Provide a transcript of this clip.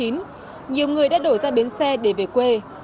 nhiều người đã đổ ra bến xe để về quê